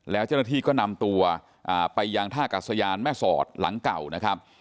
แล้วเจ้าหน้าที่ก็นำตัวไปยังท่ากัศยานแม่สอดหลังเก่านะครับ